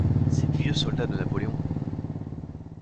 Ces vieux soldats de Napoléon!